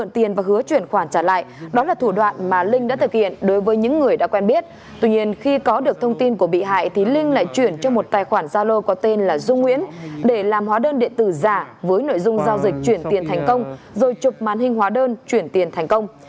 tuy nhiên đối với những người có được thông tin của bị hại thì linh lại chuyển cho một tài khoản gia lô có tên là dung nguyễn để làm hóa đơn điện tử giả với nội dung giao dịch chuyển tiền thành công rồi chụp màn hình hóa đơn chuyển tiền thành công